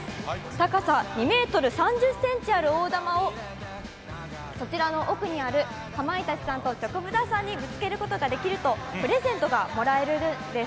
高さ２ｍ３０ｃｍある大玉をそちらの奥にあるかまいたちさんとチョコプラさんにぶつけることができるとプレゼントがもらえるんです。